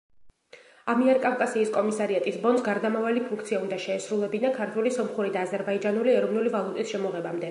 ამიერკავკასიის კომისარიატის ბონს გარდამავალი ფუნქცია უნდა შეესრულებინა ქართული, სომხური და აზერბაიჯანული ეროვნული ვალუტის შემოღებამდე.